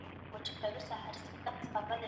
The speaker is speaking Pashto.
ښاري ژوند او کليوالي ژوند توپير لري.